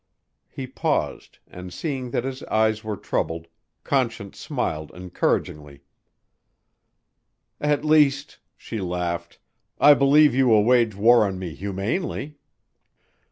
He paused and, seeing that his eyes were troubled, Conscience smiled encouragingly. "At least," she laughed, "I believe you will wage war on me humanely."